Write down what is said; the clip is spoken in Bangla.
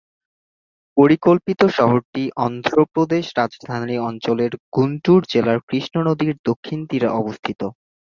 পরিকল্পিত শহরটি অন্ধ্রপ্রদেশ রাজধানী অঞ্চলের গুন্টুর জেলার কৃষ্ণ নদীর দক্ষিণ তীরে অবস্থিত।